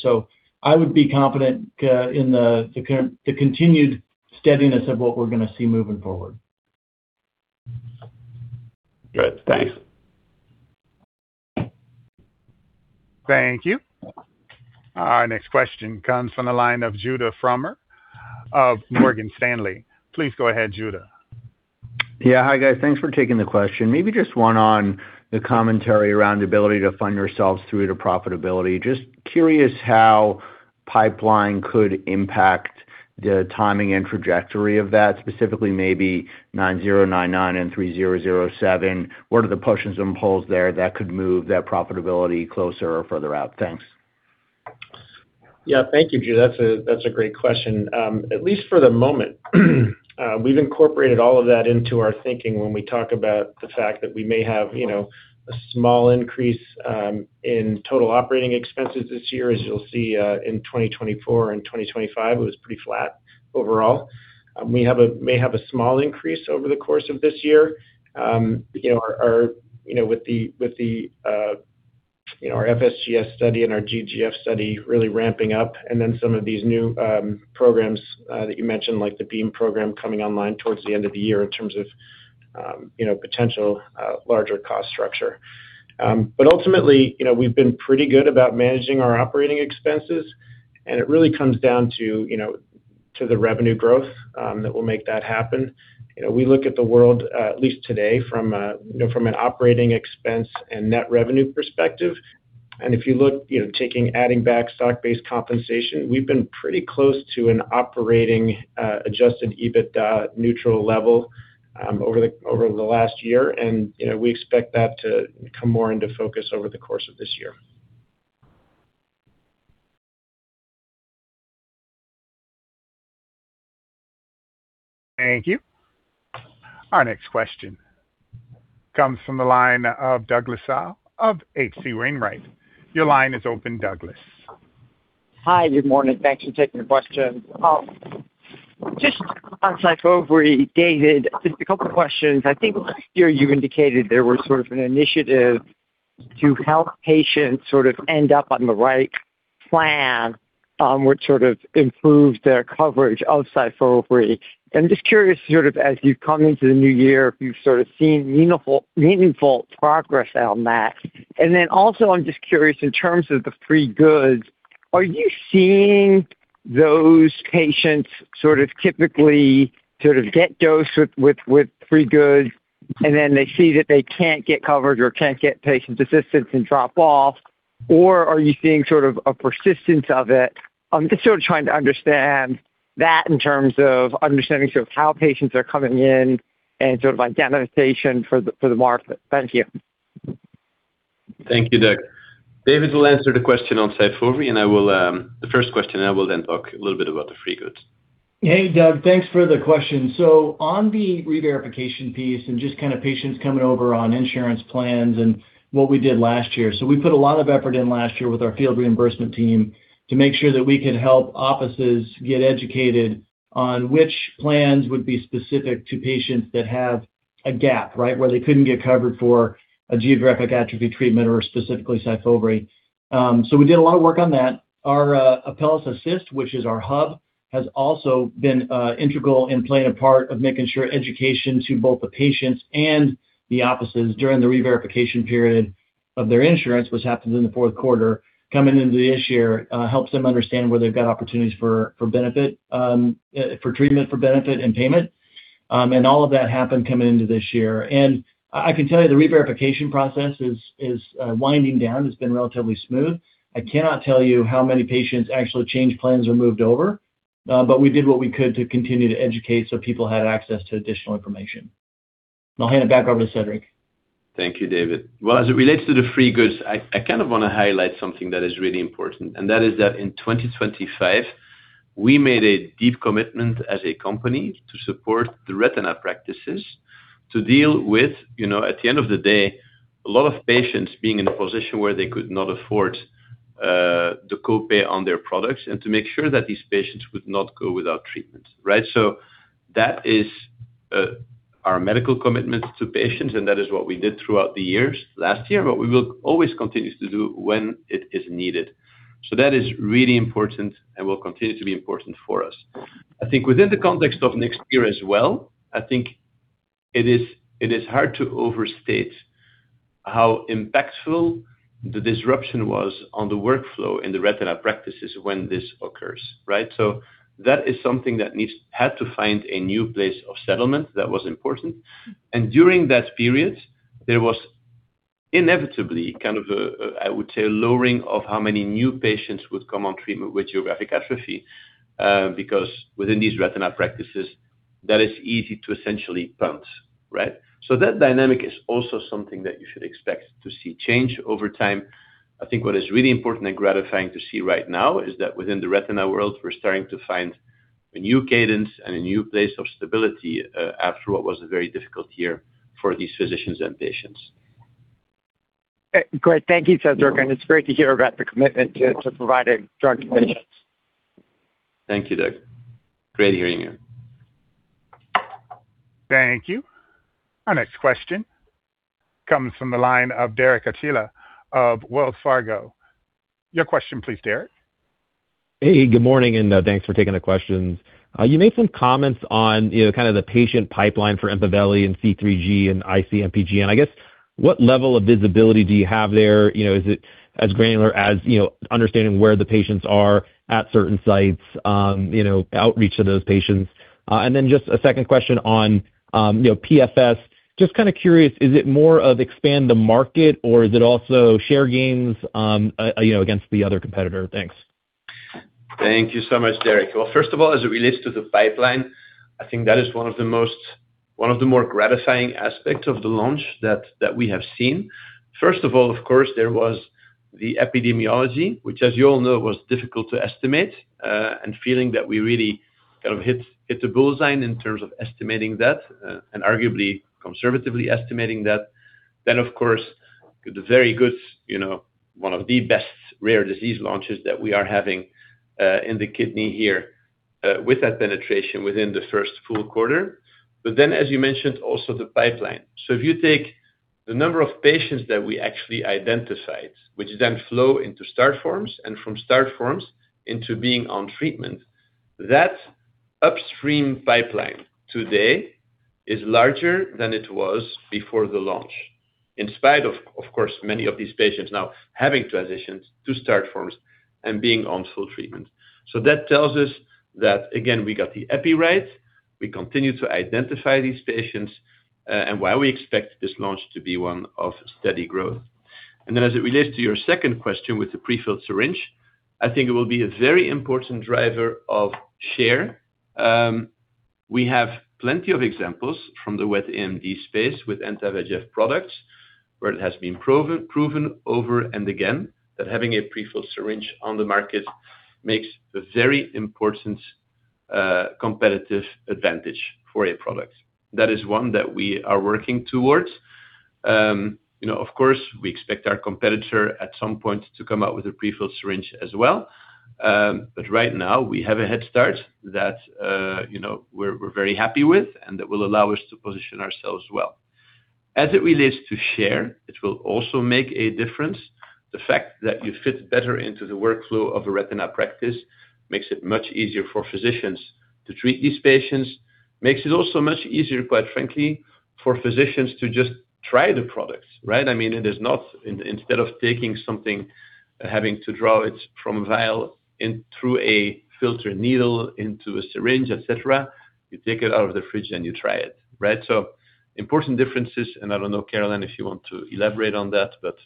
I would be confident, in the current, the continued steadiness of what we're going to see moving forward. Good. Thanks. Thank you. Our next question comes from the line of Judah Frommer of Morgan Stanley. Please go ahead, Judah. Yeah. Hi, guys. Thanks for taking the question. Maybe just one on the commentary around the ability to fund yourselves through to profitability. Just curious how pipeline could impact the timing and trajectory of that, specifically maybe 9099 and 3007. What are the pushes and pulls there that could move that profitability closer or further out? Thanks. Yeah, thank you, Judah. That's a great question. At least for the moment, we've incorporated all of that into our thinking when we talk about the fact that we may have, you know, a small increase in total operating expenses this year. As you'll see, in 2024 and 2025, it was pretty flat overall. We may have a small increase over the course of this year. You know, our, you know, with the, you know, our FSGS study and our DGF study really ramping up, and then some of these new programs that you mentioned, like the Beam program coming online towards the end of the year in terms of, you know, potential larger cost structure. Ultimately, you know, we've been pretty good about managing our operating expenses, and it really comes down to, you know, to the revenue growth that will make that happen. You know, we look at the world, at least today, from a, you know, from an operating expense and net revenue perspective. If you look, you know, adding back stock-based compensation, we've been pretty close to an operating, Adjusted EBITDA neutral level over the, over the last year, and, you know, we expect that to come more into focus over the course of this year. Thank you. Our next question comes from the line of Douglas Tsao of H.C. Wainwright. Your line is open, Douglas. Hi, good morning. Thanks for taking the question. Just on Syfovre, David, just a couple of questions. I think last year you indicated there was sort of an initiative to help patients sort of end up on the right plan, which sort of improved their coverage of Syfovre. I'm just curious, sort of as you've come into the new year, if you've sort of seen meaningful progress on that. Also, I'm just curious, in terms of the free goods, are you seeing those patients sort of typically sort of get dosed with free goods, and then they see that they can't get covered or can't get patient assistance and drop off? Or are you seeing sort of a persistence of it? I'm just sort of trying to understand that in terms of understanding sort of how patients are coming in and sort of identification for the market. Thank you. Thank you, Douglas. David will answer the question on Syfovre, and I will, The first question, and I will then talk a little bit about the free goods. Hey, Douglas, thanks for the question. On the reverification piece and just kind of patients coming over on insurance plans and what we did last year. We put a lot of effort in last year with our field reimbursement team to make sure that we could help offices get educated on which plans would be specific to patients that have a gap, right? Where they couldn't get covered for a geographic atrophy treatment or specifically Syfovre. We did a lot of work on that. Our Apellis Assist, which is our hub, has also been integral in playing a part of making sure education to both the patients and the offices during the reverification period of their insurance, which happens in the fourth quarter, coming into this year, helps them understand where they've got opportunities for benefit, for treatment, for benefit, and payment. All of that happened coming into this year. I can tell you the reverification process is winding down. It's been relatively smooth. I cannot tell you how many patients actually changed plans or moved over, but we did what we could to continue to educate so people had access to additional information. I'll hand it back over to Cedric. Thank you, David. Well, as it relates to the free goods, I kind of want to highlight something that is really important, and that is that in 2025, we made a deep commitment as a company to support the retina practices to deal with, you know, at the end of the day, a lot of patients being in a position where they could not afford the copay on their products, and to make sure that these patients would not go without treatment, right. That is our medical commitment to patients, and that is what we did throughout the years, last year, but we will always continue to do when it is needed. That is really important and will continue to be important for us. I think within the context of next year as well, I think it is hard to overstate how impactful the disruption was on the workflow in the retina practices when this occurs, right? That is something that had to find a new place of settlement. That was important. During that period, there was inevitably kind of a, I would say, lowering of how many new patients would come on treatment with geographic atrophy, because within these retina practices, that is easy to essentially punt, right? That dynamic is also something that you should expect to see change over time. I think what is really important and gratifying to see right now is that within the retina world, we're starting to find a new cadence and a new place of stability, after what was a very difficult year for these physicians and patients. Great. Thank you, Cedric, and it's great to hear about the commitment to providing drug patients. Thank you, Doug. Great hearing you. Thank you. Our next question comes from the line of Derek Archila of Wells Fargo. Your question, please, Derek. Hey, good morning, thanks for taking the questions. You made some comments on, you know, kind of the patient pipeline for Empaveli and C3G and IC-MPGN, I guess, what level of visibility do you have there? You know, is it as granular as, you know, understanding where the patients are at certain sites, you know, outreach to those patients? Just a second question on, you know, PFS. Just kind of curious, is it more of expand the market, or is it also share gains, you know, against the other competitor? Thanks. Thank you so much, Derek. First of all, as it relates to the pipeline, I think that is one of the more gratifying aspects of the launch that we have seen. First of all, of course, there was the epidemiology, which, as you all know, was difficult to estimate, and feeling that we really kind of hit the bull's eye in terms of estimating that, and arguably conservatively estimating that. Of course, the very good, you know, one of the best rare disease launches that we are having in the kidney here, with that penetration within the first full quarter. As you mentioned, also the pipeline. If you take the number of patients that we actually identified, which then flow into start forms, and from start forms into being on treatment, that upstream pipeline today is larger than it was before the launch. In spite of course, many of these patients now having transitioned to start forms and being on full treatment. That tells us that, again, we got the epi right, we continue to identify these patients, and why we expect this launch to be one of steady growth. As it relates to your second question with the prefilled syringe, I think it will be a very important driver of share. We have plenty of examples from the wet AMD space with anti-VEGF products, where it has been proven over and again, that having a prefilled syringe on the market makes a very important competitive advantage for a product. That is one that we are working towards. You know, of course, we expect our competitor at some point to come out with a prefilled syringe as well, right now we have a head start that, you know, we're very happy with, and that will allow us to position ourselves well. As it relates to share, it will also make a difference. The fact that you fit better into the workflow of a retina practice makes it much easier for physicians to treat these patients. Makes it also much easier, quite frankly, for physicians to just try the products, right? I mean, it is not instead of taking something, having to draw it from a vial in through a filter needle into a syringe, et cetera, you take it out of the fridge and you try it, right? Important differences, I don't know, Caroline, if you want to elaborate on that, but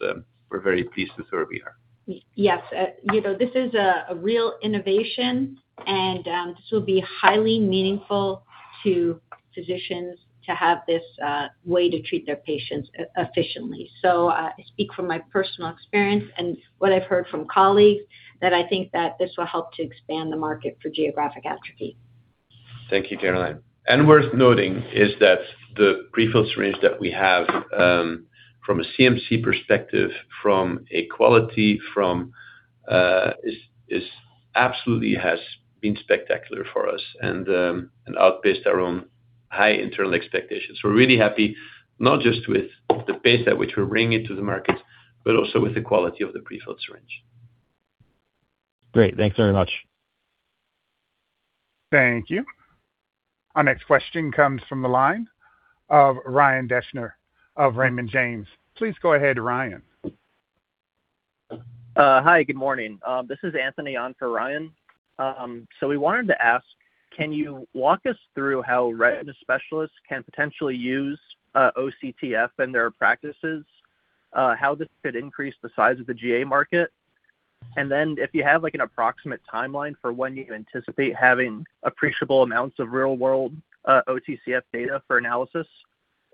we're very pleased with where we are. You know, this is a real innovation and this will be highly meaningful to physicians to have this way to treat their patients efficiently. I speak from my personal experience and what I've heard from colleagues, that I think that this will help to expand the market for geographic atrophy. Thank you, Caroline. Worth noting is that the prefilled syringe that we have, from a CMC perspective, from a quality, is absolutely has been spectacular for us and outpaced our own high internal expectations. We're really happy not just with the pace at which we're bringing it to the market, but also with the quality of the prefilled syringe. Great. Thanks very much. Thank you. Our next question comes from the line of Rygver Deshler of Raymond James. Please go ahead, Ryan. Hi, good morning. This is Anthony on for Ryan. We wanted to ask, can you walk us through how retina specialists can potentially use OCTF in their practices? How this could increase the size of the GA market? If you have, like, an approximate timeline for when you anticipate having appreciable amounts of real-world OCTF data for analysis.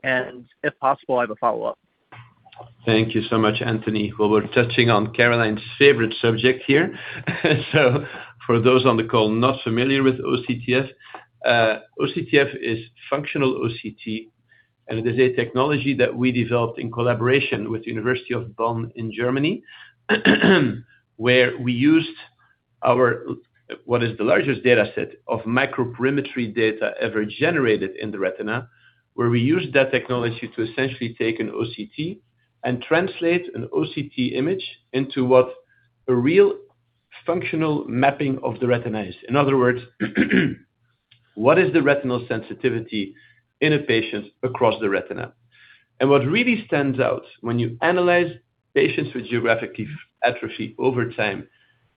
If possible, I have a follow-up. Thank you so much, Anthony. Well, we're touching on Caroline's favorite subject here. For those on the call not familiar with OCTF is functional OCT, and it is a technology that we developed in collaboration with University of Bonn in Germany, where we used our, what is the largest dataset of microperimetry data ever generated in the retina, where we used that technology to essentially take an OCT and translate an OCT image into what a real functional mapping of the retina is. In other words, what is the retinal sensitivity in a patient across the retina? What really stands out when you analyze patients with geographic atrophy over time,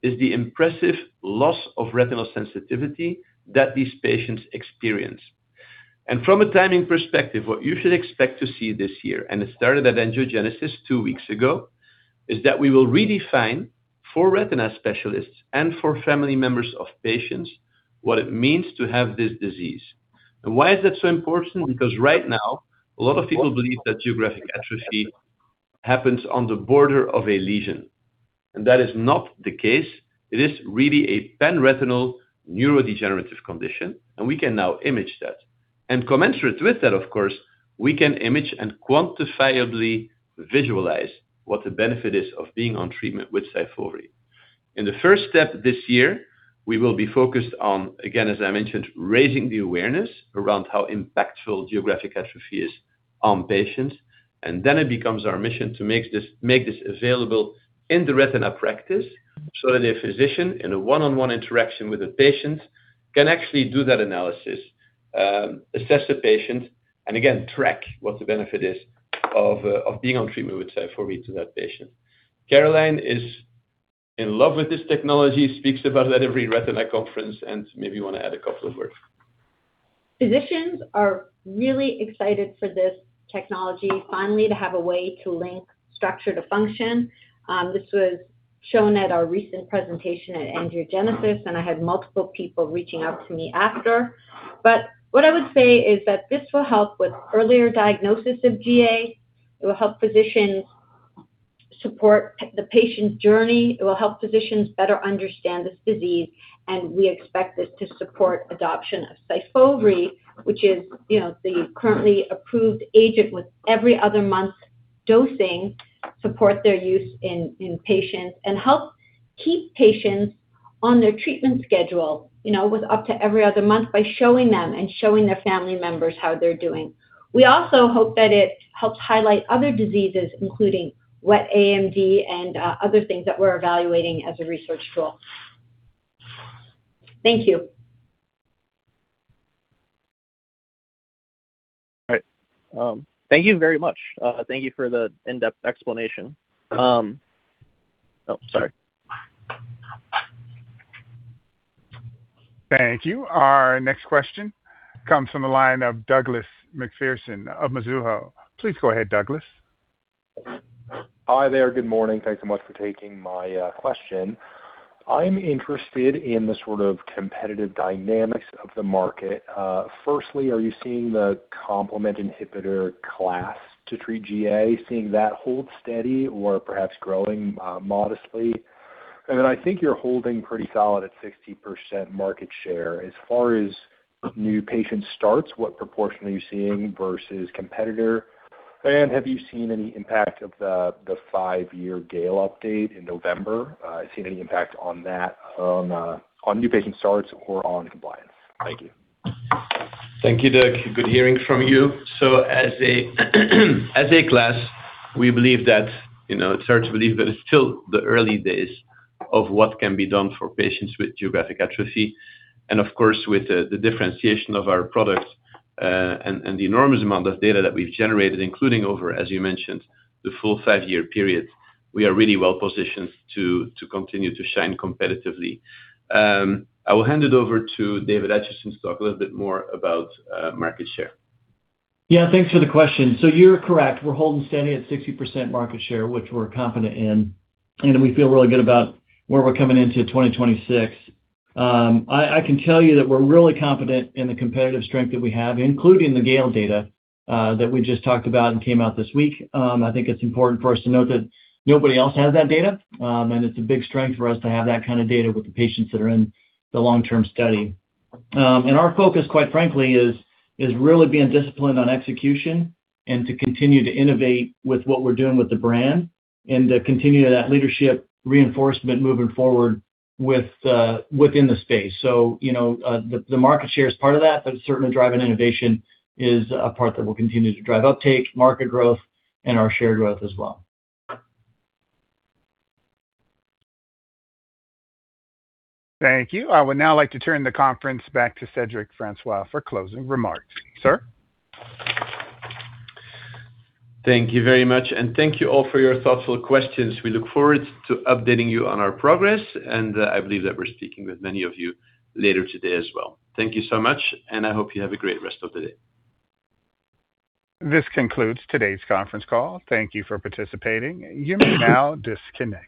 is the impressive loss of retinal sensitivity that these patients experience. From a timing perspective, what you should expect to see this year, and it started at Angiogenesis two weeks ago, is that we will redefine for retina specialists and for family members of patients, what it means to have this disease. Why is that so important? Because right now, a lot of people believe that geographic atrophy happens on the border of a lesion, and that is not the case. It is really a pan-retinal neurodegenerative condition, and we can now image that. Commensurate with that, of course, we can image and quantifiably visualize what the benefit is of being on treatment with Syfovre. In the first step this year, we will be focused on, again, as I mentioned, raising the awareness around how impactful geographic atrophy is on patients. It becomes our mission to make this available in the retina practice, so that a physician, in a one-on-one interaction with a patient, can actually do that analysis. Assess the patient, again, track what the benefit is of being on treatment with Syfovre to that patient. Caroline is in love with this technology, speaks about it at every retina conference. Maybe you want to add a couple of words. Physicians are really excited for this technology, finally, to have a way to link structure to function. This was shown at our recent presentation at Angiogenesis. I had multiple people reaching out to me after. What I would say is that this will help with earlier diagnosis of GA. It will help physicians support the patient's journey, it will help physicians better understand this disease. We expect this to support adoption of Syfovre, which is, you know, the currently approved agent with every other month dosing, support their use in patients, and help keep patients on their treatment schedule, you know, with up to every other month by showing them and showing their family members how they're doing. We also hope that it helps highlight other diseases, including wet AMD and other things that we're evaluating as a research tool. Thank you. All right, thank you very much. Thank you for the in-depth explanation. Sorry. Thank you. Our next question comes from the line of Doug Kim of Mizuho. Please go ahead, Doug. Hi there. Good morning. Thanks so much for taking my question. I'm interested in the sort of competitive dynamics of the market. Firstly, are you seeing the complement inhibitor class to treat G.A., seeing that hold steady or perhaps growing modestly? I think you're holding pretty solid at 60% market share. As far as new patient starts, what proportion are you seeing versus competitor? Have you seen any impact of the five-year GALE update in November? Seen any impact on that, on new patient starts or on compliance? Thank you. Thank you, Doug. Good hearing from you. As a class, we believe that, you know, it's hard to believe that it's still the early days of what can be done for patients with geographic atrophy. Of course, with the differentiation of our products, and the enormous amount of data that we've generated, including over, as you mentioned, the full five year period, we are really well positioned to continue to shine competitively. I will hand it over to David Acheson to talk a little bit more about market share. Yeah, thanks for the question. You're correct, we're holding steady at 60% market share, which we're confident in, and we feel really good about where we're coming into 2026. I can tell you that we're really confident in the competitive strength that we have, including the GALE data that we just talked about and came out this week. I think it's important for us to note that nobody else has that data, and it's a big strength for us to have that kind of data with the patients that are in the long-term study. And our focus, quite frankly, is really being disciplined on execution and to continue to innovate with what we're doing with the brand and to continue that leadership reinforcement moving forward with within the space. You know, the market share is part of that, but certainly driving innovation is a part that will continue to drive uptake, market growth, and our shared growth as well. Thank you. I would now like to turn the conference back to Cedric Francois for closing remarks. Sir? Thank you very much, and thank you all for your thoughtful questions. We look forward to updating you on our progress, and I believe that we're speaking with many of you later today as well. Thank you so much, and I hope you have a great rest of the day. This concludes today's conference call. Thank you for participating. You may now disconnect.